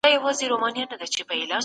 دویم نسل باید پوه سي.